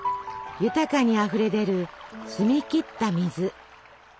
豊かにあふれ出る澄み切った水。